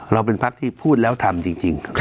เราเป็นพักที่พูดแล้วทำจริง